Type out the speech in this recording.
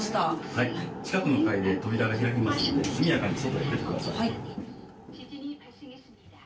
はい、近くの階で扉が開きますので、速やかに外に出てください。